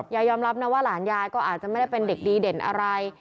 ยอมรับนะว่าหลานยายก็อาจจะไม่ได้เป็นเด็กดีเด่นอะไร